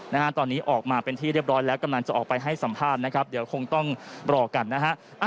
นะฮะตอนนี้ออกมาเป็นที่เรียบร้อยแล้วกำลังจะออกไปให้สัมภาษณ์นะครับเดี๋ยวคงต้องรอกันนะฮะ